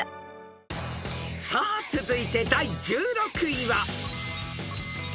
［さあ続いて第１６位は］